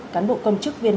cán bộ công chức viên